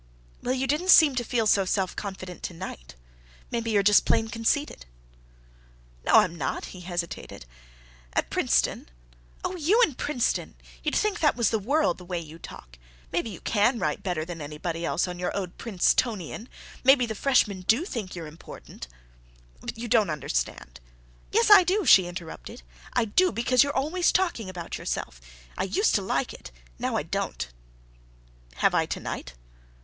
"Well, you didn't seem to feel so self confident to night. Maybe you're just plain conceited." "No, I'm not," he hesitated. "At Princeton—" "Oh, you and Princeton! You'd think that was the world, the way you talk! Perhaps you can write better than anybody else on your old Princetonian; maybe the freshmen do think you're important—" "You don't understand—" "Yes, I do," she interrupted. "I do, because you're always talking about yourself and I used to like it; now I don't." "Have I to night?"